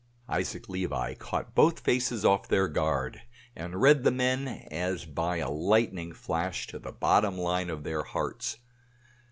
Isaac Levi caught both faces off their guard, and read the men as by a lightning flash to the bottom line of their hearts.